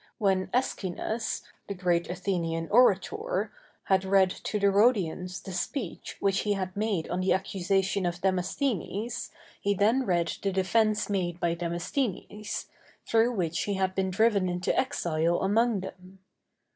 When Æschines, the great Athenian orator, had read to the Rhodians the speech which he had made on the accusation of Demosthenes he then read the defence made by Demosthenes, through which he had been driven into exile among them.